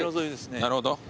なるほど。